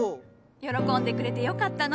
喜んでくれてよかったのう！